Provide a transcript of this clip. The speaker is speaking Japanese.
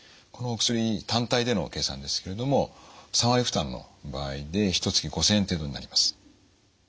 この薬単体での計算ですけれども３割負担の場合でひとつき５，０００円程度になります。